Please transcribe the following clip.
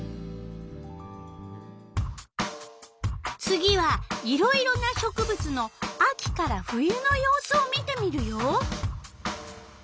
次はいろいろな植物の秋から冬の様子を見てみるよ。